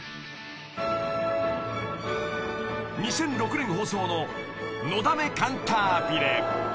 ［２００６年放送の『のだめカンタービレ』］